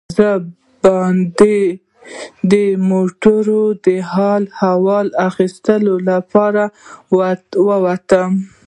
زه دباندې د موټرانو د حال و احوال اخیستو لپاره راووتم.